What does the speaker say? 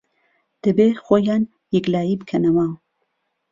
دەبێ خۆیان یەکلایی بکەنەوە